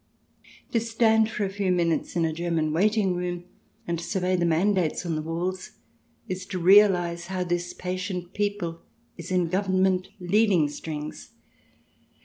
To stand for a few minutes in a German waiting room and survey the mandates on the walls is to realize how this patient people is in Government leading strings.